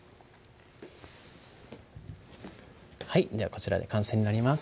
はいではこちらで完成になります